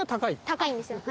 高いんですよ。